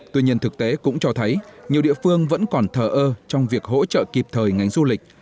tuy nhiên thực tế cũng cho thấy nhiều địa phương vẫn còn thờ ơ trong việc hỗ trợ kịp thời ngành du lịch